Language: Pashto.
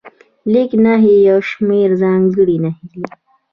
لیک نښې یو شمېر ځانګړې نښې دي.